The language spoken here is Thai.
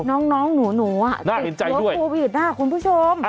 น้องหนูติดตัวโควิดนะคุณผู้ชม